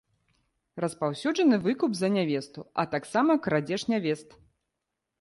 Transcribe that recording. Распаўсюджаны выкуп за нявесту, а таксама крадзеж нявест.